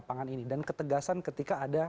pangan ini dan ketegasan ketika ada